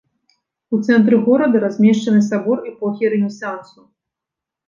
У цэнтры горада размешчаны сабор эпохі рэнесансу.